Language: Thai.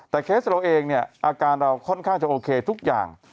แต่เคสเราเองเนี่ยอาการเราค่อนข้างจะโอเคทุกอย่าง